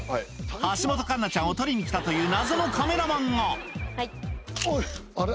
橋本環奈ちゃんを撮りに来たという謎のカメラマンがあれ？